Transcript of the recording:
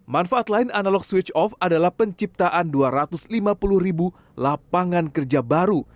manfaat lain analog switch off adalah penciptaan dua ratus lima puluh ribu lapangan kerja baru